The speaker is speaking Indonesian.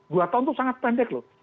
dua tahun itu sangat pendek loh